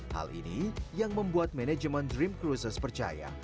hal ini yang membuat manajemen dream cruises percaya